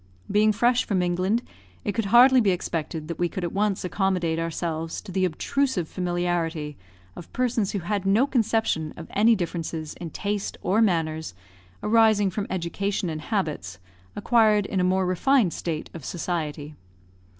Being fresh from England, it could hardly be expected that we could at once accommodate ourselves to the obtrusive familiarity of persons who had no conception of any differences in taste or manners arising from education and habits acquired in a more refined state of society.